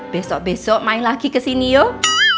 besok besok main lagi kesini yuk